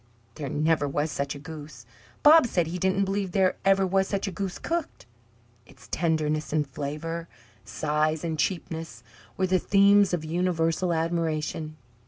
There never was such a goose. Bob said he didn't believe there ever was such a goose cooked. Its tenderness and flavour, size and cheapness, were the themes of universal admiration.